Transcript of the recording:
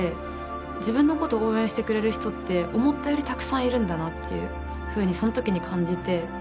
自分のこと応援してくれる人って思ったよりたくさんいるんだなっていうふうにその時に感じて。